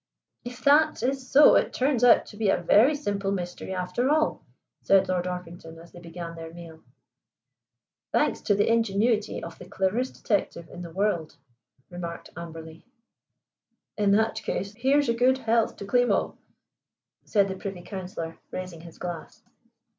"If that is so it turns out to be a very simple mystery after all," said Lord Orpington as they began their meal. "Thanks to the ingenuity of the cleverest detective in the world," remarked Amberley. "In that case here's a good health to Klimo," said the Privy Councillor, raising his glass.